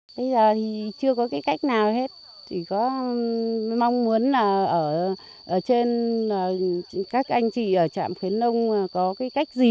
bây giờ thì chưa có cái cách nào hết thì có mong muốn là ở trên các anh chị ở trạm khuyến nông có cái cách gì